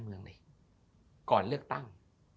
เมืองในก่อนเลือกตั้ง